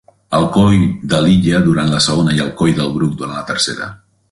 El coll de Lilla durant la segona i el coll del Bruc durant la tercera.